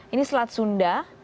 ini selat sunda